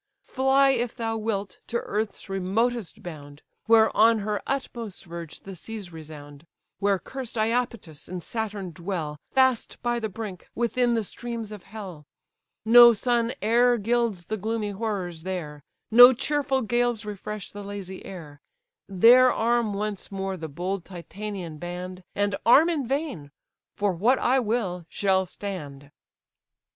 Fly, if thy wilt, to earth's remotest bound, Where on her utmost verge the seas resound; Where cursed Iapetus and Saturn dwell, Fast by the brink, within the streams of hell; No sun e'er gilds the gloomy horrors there; No cheerful gales refresh the lazy air: There arm once more the bold Titanian band; And arm in vain; for what I will, shall stand."